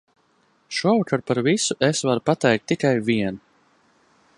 Šovakar par visu es varu pateikt tikai vienu!